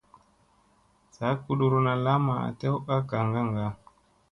Saa kuɗuruna lamma tew a gaŋ kaŋga.